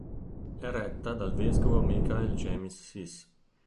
È retta dal vescovo Michael James Sis.